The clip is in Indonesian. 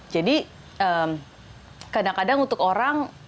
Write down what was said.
jadi kadang kadang untuk orang